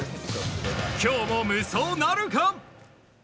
今日も無双なるか？